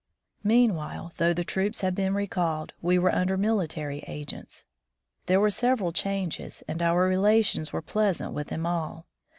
Meanwhile, though the troops had been recalled, we were under military agents; there were several changes, and our relations were pleasant with them all.